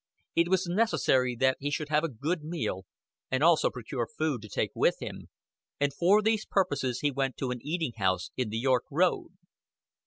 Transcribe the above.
It was necessary that he should have a good meal and also procure food to take with him, and for these purposes he went to an eating house in the York Road.